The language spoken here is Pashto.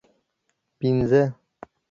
پنځه